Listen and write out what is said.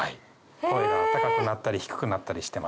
声が高くなったり低くなったりしてましたね。